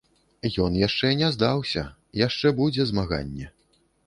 Ён яшчэ не здаўся, яшчэ будзе змаганне.